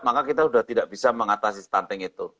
maka kita sudah tidak bisa mengatasi stunting itu